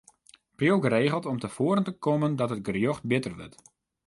Priuw geregeld om te foaren te kommen dat it gerjocht te bitter wurdt.